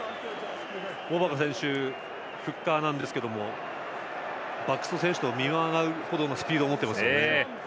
モーバカ選手はフッカーなんですがバックスの選手と見まがうほどのスピードを持ってますね。